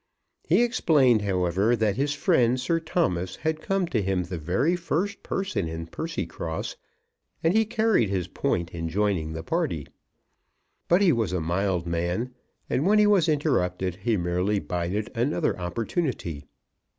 He explained, however, that his friend Sir Thomas had come to him the very first person in Percycross, and he carried his point in joining the party. But he was a mild man, and when he was interrupted he merely bided another opportunity.